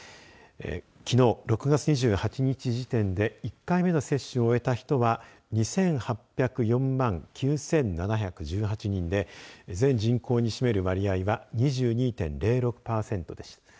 きのう６月２８日時点で１回目の接種を終えた人は２８０４万９７１８人で全人口に占める割合は２２．０６パーセントでした。